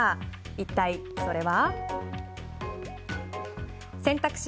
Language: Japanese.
一体それは？